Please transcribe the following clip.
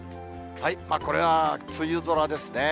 これは梅雨空ですね。